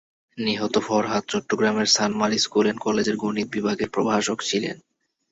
নিহত ফরহাদ চট্টগ্রামের Sanmar school and কলেজের গণিত বিভাগের প্রভাষক ছিলেন।